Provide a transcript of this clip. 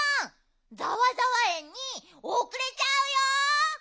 ざわざわえんにおくれちゃうよ！